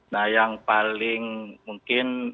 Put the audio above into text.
nah yang paling mungkin